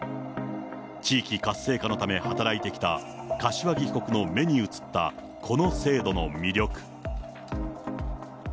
地域活性化のため働いてきた柏木被告の目に映ったこの制度の魅力。